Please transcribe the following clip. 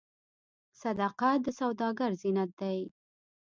صداقت د سوداګر زینت دی.